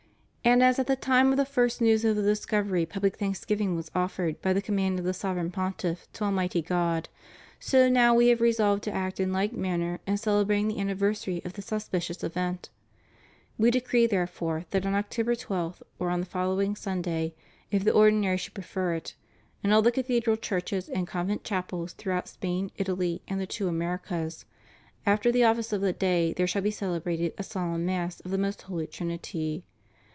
And as at the time of the first news of the discovery public thanksgiving was offered by the command of the Sovereign Pontiff to Almighty God, so now we have resolved to act in like manner in celebrating the anniversary of this auspicious event. We decree, therefore, that on October 12, or on the following Sunday, if the Ordinary should prefer it, in all the cathedral churches and convent chapels throughout Spain, Italy, and the two Americas, after the office of the day there shall be celebrated a Solemn Mass of the Most Holy Trinity.